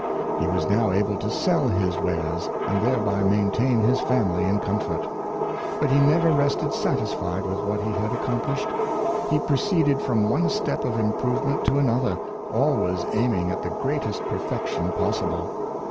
He was now able to sell his wares, and thereby maintain his family in comfort. But he never rested satisfied with what he had accomplished. He pro ceeded from one step of improvement to another, always aiming at the greatest perfection possible.